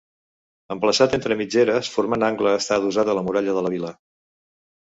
Emplaçat entre mitgeres, formant angle, està adossat a la muralla de la vila.